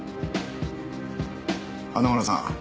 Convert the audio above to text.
花村さん。